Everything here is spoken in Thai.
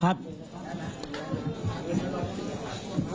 ครับ